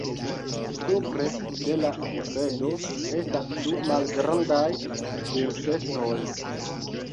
Supre de la bufedo estas du malgrandaj tirkestoj.